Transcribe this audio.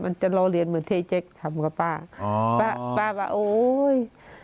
มันจะล้อเลียนเหมือนที่เด็กทำกับป้าอ๋อป้าว่าโอ้ย